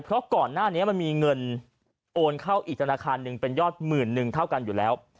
เพราะก่อนหน้านี้มันมีเงินโอนเข้าอีกธนาคารหนึ่งเป็นยอดหมื่นนึงเท่ากันอยู่แล้ว